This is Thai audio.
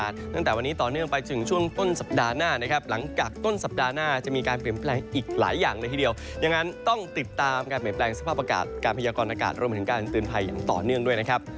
แสดงสภาพอากาศการพยากรณ์อากาศรวมถึงการตื่นภัยอย่างต่อเนื่องด้วยนะครับ